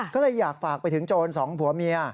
ก็เลยอยากฝากไปถึงโจรสองผัวเมีย